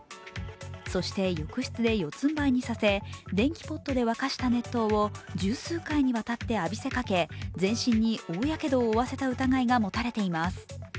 そして浴室で四つんばいにさせ電気ポットで沸かした熱湯を十数回にわたって浴びせかけ全身に大やけどを負わせた疑いが持たれています。